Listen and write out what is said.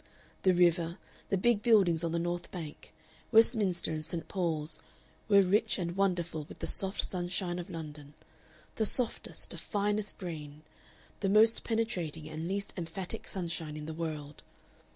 The river, the big buildings on the north bank, Westminster, and St. Paul's, were rich and wonderful with the soft sunshine of London, the softest, the finest grained, the most penetrating and least emphatic sunshine in the world.